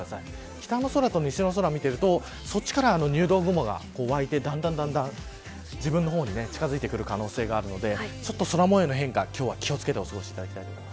北の空と西の空を見ているとそっちから入道雲が沸いて自分の方に近づいてくる可能性があるので空模様の変化に今日は気を付けてお過ごしください。